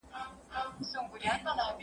ویښتې باید د خرابو موادو څخه وساتل شي.